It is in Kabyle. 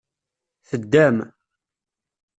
Teddam.